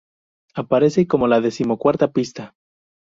Aparece como la decimocuarta pista.